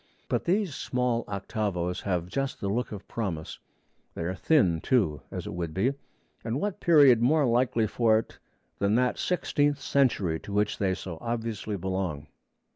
But these small octavos have just the look of promise; they are thin, too, as it would be; and what period more likely for it than that sixteenth century to which they so obviously belong?